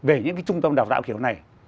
về những cái trung tâm đào dạo kiểu này